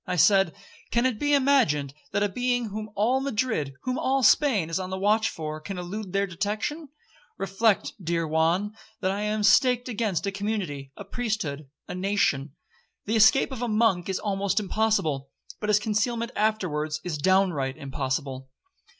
I said, 'Can it be imagined that a being whom all Madrid, whom all Spain, is on the watch for, can elude their detection? Reflect, dear Juan, that I am staked against a community, a priesthood, a nation. The escape of a monk is almost impossible,—but his concealment afterwards is downright impossible.